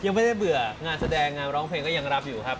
ไม่ได้เบื่องานแสดงงานร้องเพลงก็ยังรับอยู่ครับ